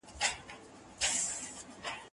زه مخکي انځور ليدلی و!.